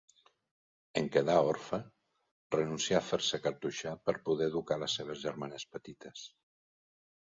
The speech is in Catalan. En quedar orfe, renuncia a fer-se cartoixà per poder educar les seves germanes petites.